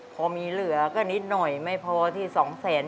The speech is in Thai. พอมีเหลือก็นิดหน่อยไม่พอที่๒แสน